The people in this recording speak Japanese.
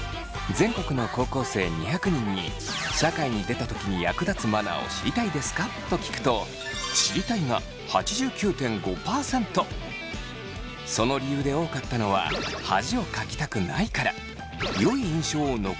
全国の高校生２００人に社会に出た時に役立つマナーを知りたいですか？と聞くとその理由で多かったのはなどの声が。